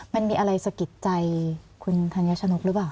มันมีอะไรสะกิดใจคุณธัญชนกหรือเปล่า